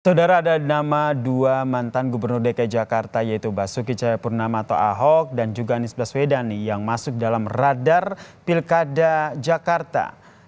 saudara ada nama dua mantan gubernur dki jakarta yaitu basuki cahayapurnama atau ahok dan juga anies baswedan yang masuk dalam radar pilkada jakarta